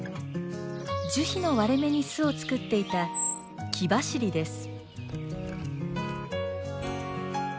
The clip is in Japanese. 樹皮の割れ目に巣を作っていたキバシリです。